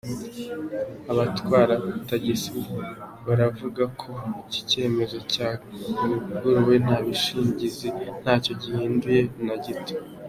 Abatwara tagisi baravuga ko iki cyemezo cyavuguruwe n’abishingizi ntacyo gihinduye na gito.